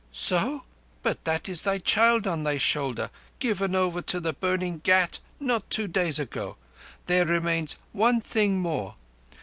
"So? But that is thy child on thy shoulder—given over to the burning ghat not two days ago. There remains one thing more.